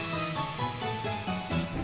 maaf ya di ngerepetin